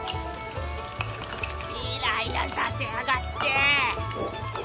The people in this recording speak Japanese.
イライラさせやがって。